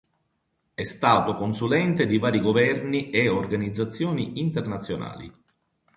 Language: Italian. È stato consulente di vari governi e organizzazioni internazionali.